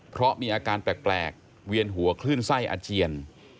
เพราะมีอาการแปลกเวียนหัวคลื่นไส้อาเจียน